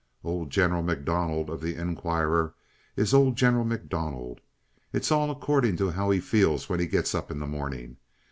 Old General MacDonald, of the Inquirer, is old General MacDonald. It's all according to how he feels when he gets up in the morning.